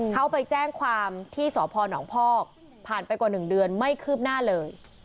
เขาไปแจ้งความที่สพนพอกผ่านไปกว่า๑เดือนไม่คืบหน้าเลย